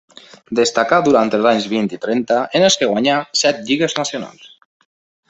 Destacà durant els anys vint i trenta, en els que guanyà set lligues nacionals.